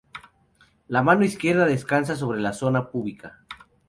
La mano izquierda descansa sobre la zona púbica.